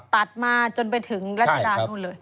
ตัดมาจนไปถึงรัชดานู่นเลย